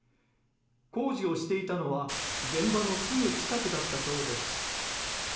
工事をしていたのは現場のすぐ近くだったそうです。